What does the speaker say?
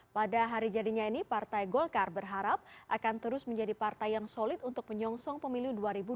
pada hari jadinya ini partai golkar berharap akan terus menjadi partai yang solid untuk menyongsong pemilu dua ribu dua puluh